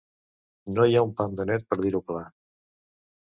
No hi ha un pam de net, per dir-ho clar